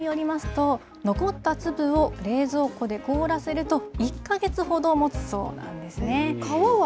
ＪＡの全農によりますと、残った粒を冷蔵庫で凍らせると、１か月ほどもつそうなんですね。